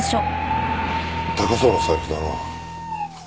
高そうな財布だな。